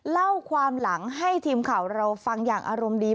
เล่าความหลังให้ทีมข่าวเราฟังอย่างอารมณ์ดี